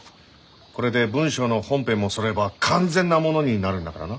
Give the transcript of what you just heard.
これで文章の本編もそろえば完全なものになるんだからな。